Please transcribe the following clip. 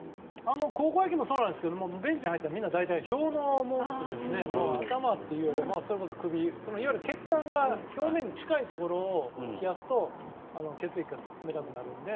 高校野球もそうなんですがベンチに入るとみんな大体氷のうを持って頭というよりはそれこそ首とか血管が表面に近いところを冷やすと血液が冷たくなるので。